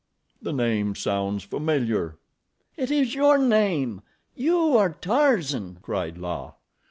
The name sounds familiar." "It is your name—you are Tarzan," cried La.